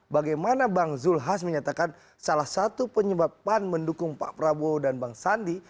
bagaimana bang zulhas menyatakan salah satu penyebab pan mendukung pak prabowo dan bang sandi